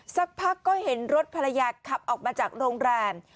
สักพักก็เห็นรถภรรยาขับออกมาจากโรงแรม